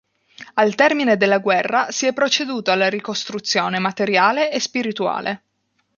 Al termine della guerra, si è proceduto alla ricostruzione materiale e spirituale.